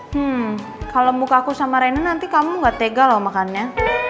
hmm kalau muka aku sama rena nanti kamu gak tega loh makannya